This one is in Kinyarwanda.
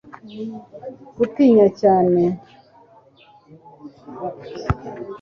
gutinya cyane